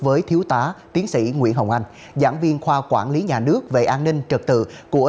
với thiếu tá tiến sĩ nguyễn hồng anh giảng viên khoa quản lý nhà nước về an ninh trật tự của